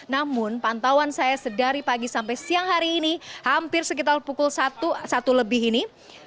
namun pantauan saya sedari pagi sampai siang hari ini hampir sekitar pukul satu satu lebih ini